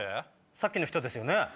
さっきの人ですよね。